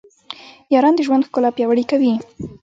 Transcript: یاران د ژوند ښکلا پیاوړې کوي.